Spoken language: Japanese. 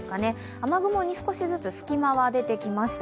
雨雲に少しずつ隙間が出てきました。